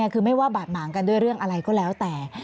คือไม่ว่าบาดหมางกันด้วยเรื่องอะไรก็แล้วแต่